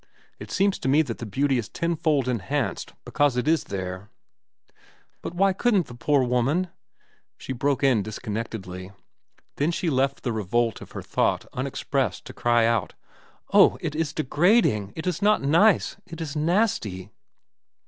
It seems to me that the beauty is tenfold enhanced because it is there—" "But why couldn't the poor woman—" she broke in disconnectedly. Then she left the revolt of her thought unexpressed to cry out: "Oh! It is degrading! It is not nice! It is nasty!"